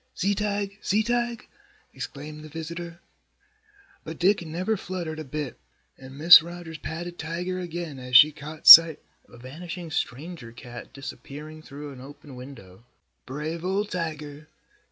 "See Tige! See Tige!" exclaimed the visitor. But Dick never fluttered a bit and Mrs. Rogers patted Tiger again as she caught sight of a vanishing stranger cat disappearing through an open window. "Brave old Tiger!